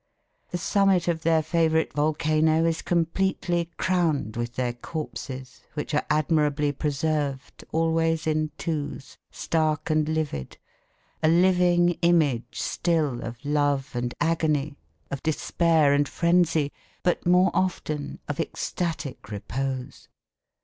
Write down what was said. The summit of their favourite volcano is completely crowned with their corpses which are admirably preserved always in twos, stark and livid, a living image still of love and agony, of despair and frenzy, but more often of ecstatic repose.